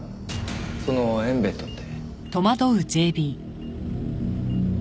そのエンベッドって。